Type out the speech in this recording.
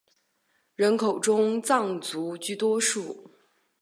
人口中藏族居多数。